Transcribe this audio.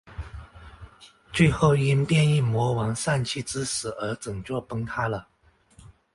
最后因变异魔王膻气之死而整座崩塌了。